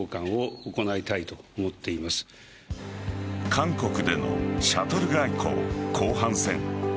韓国でのシャトル外交後半戦。